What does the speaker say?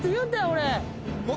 俺。